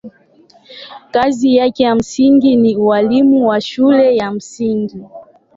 Kazi yake ya msingi ni ualimu wa shule ya msingi.